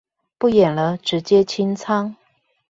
不演了直接清倉